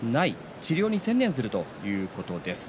治療に専念するということです。